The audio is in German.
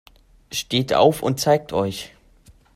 Steht auf und zeigt euch!